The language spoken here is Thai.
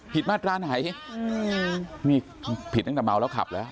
มาตราไหนอืมนี่ผิดตั้งแต่เมาแล้วขับแล้ว